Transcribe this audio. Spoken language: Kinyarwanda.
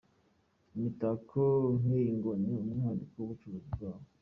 Imitako nk’iyi ngo ni umwihariko w’ubucuzi bwabo.